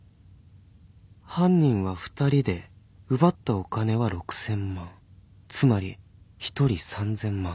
犯人は２人で奪ったお金は ６，０００ 万つまり一人 ３，０００ 万